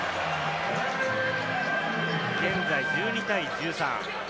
現在１２対１３。